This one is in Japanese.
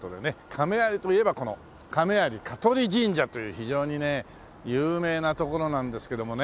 亀有といえばこの亀有香取神社という非常にね有名な所なんですけどもね。